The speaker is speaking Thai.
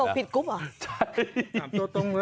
ส่งผิดกลุเตอร์หรอ